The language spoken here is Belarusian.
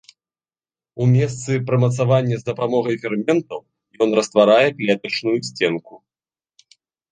У месцы прымацавання з дапамогай ферментаў ён растварае клетачную сценку.